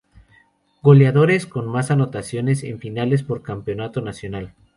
Goleadores con más anotaciones en finales por Campeonato Nacional.